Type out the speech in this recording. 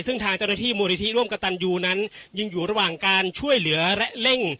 ซึ่งทางเจ้าหน้าที่มูลนิธิร่วมกับตันยูนั้นยังอยู่ระหว่างการช่วยเหลือและเร่ง